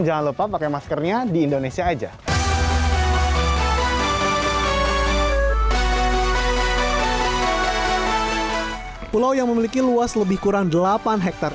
jangan lupa pakai maskernya di indonesia aja pulau yang memiliki luas lebih kurang delapan hektare